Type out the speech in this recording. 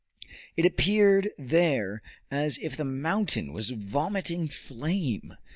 It appeared there as if the mountain was vomiting flame.